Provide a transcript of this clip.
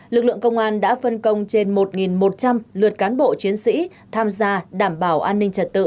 lực lượng công an đã phân công trên một một trăm linh lượt cán bộ chiến sĩ tham gia đảm bảo an ninh trật tự